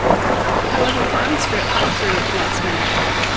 However, plans for it fell through at the last minute.